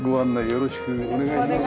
よろしくお願いします。